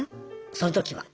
その時は。